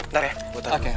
ntar ya gue taruh dulu